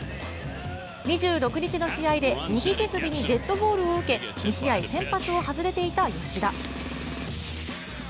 ２６日の試合で右手首にデッドボールを受け２試合、先発を外れていた吉田。